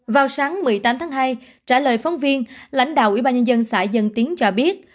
vào sáng một mươi tám tháng hai trả lời phóng viên lãnh đạo ủy ban nhân dân xã dân tiến cho biết